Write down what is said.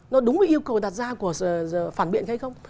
nó đúng với yêu cầu đặt ra của phản biện hay không